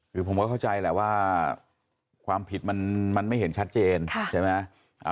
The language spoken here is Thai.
คือผมก็เข้าใจแหละว่าความผิดมันไม่เห็นชัดเจนใช่ไหม